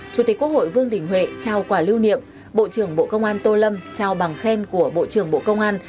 chủ tịch quốc hội vương đình huệ trao quả lưu niệm bộ trưởng bộ công an tô lâm trao bằng khen của bộ trưởng bộ công an